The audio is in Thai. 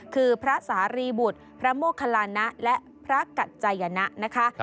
คือพระสารีบุตรพระโมคลานะและพระกัจจัยนะนะคะ